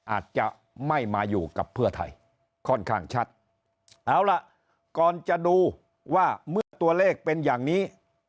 อาจจะไม่มาอยู่กับเพื่อไทยค่อนข้างชัดเอาล่ะก่อนจะดูว่าเมื่อตัวเลขเป็นอย่างนี้